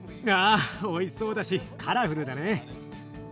わおいしそうだしカラフルだね。